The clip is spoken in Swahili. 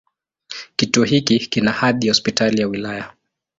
Kituo hiki kina hadhi ya Hospitali ya wilaya.